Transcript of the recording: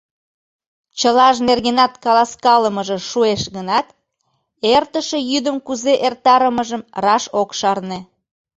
Чылаж нергенат каласкалымыже шуэш гынат, эртыше йӱдым кузе эртарымыжым раш ок шарне.